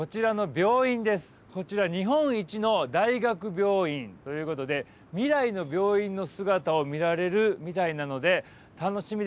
こちら日本一の大学病院ということで未来の病院の姿を見られるみたいなので楽しみでございます。